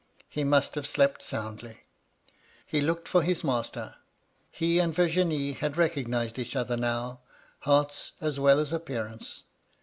He must have slept soundly. He looked for his master. He and Virginie had recognised each other now, — hearts, as well as appearance.